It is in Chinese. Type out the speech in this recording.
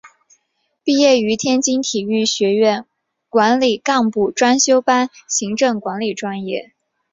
毕业于天津体育学院管理干部专修班行政管理专业。